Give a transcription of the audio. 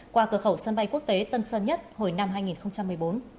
qua cửa khẩu sân bay quốc tế tân sơn nhất hồi năm hai nghìn một mươi bốn